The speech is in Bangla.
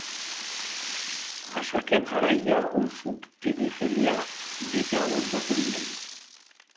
আশাকে ভাঁড়াইয়া ওষুধ তিনি ফেলিয়া দিতে আরম্ভ করিলেন।